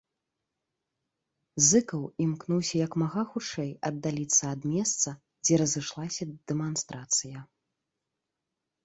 Зыкаў імкнуўся як мага хутчэй аддаліцца ад месца, дзе разышлася дэманстрацыя.